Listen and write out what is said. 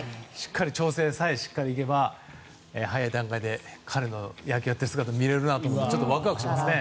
調整さえしっかりいけば早い段階で彼の野球をやっている姿が見れるなと思うとワクワクしますね。